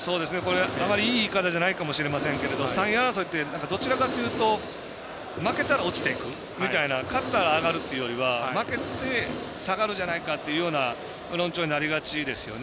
あまりいい言い方じゃないかもしれないですけど３位争いってどちらかというと負けたら落ちていくという勝ったら上がるというよりは負けて下がるじゃないかっていうような論調になりがちですよね。